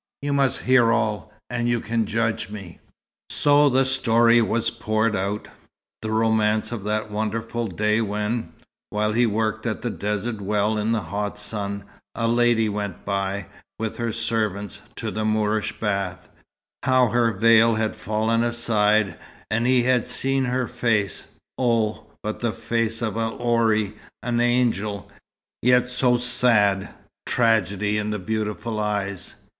You must hear all and you can judge me." So the story was poured out: the romance of that wonderful day when, while he worked at the desert well in the hot sun, a lady went by, with her servants, to the Moorish baths. How her veil had fallen aside, and he had seen her face oh, but the face of a houri, an angel. Yet so sad tragedy in the beautiful eyes.